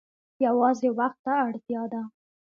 یوازې وخت ته اړتیا ده.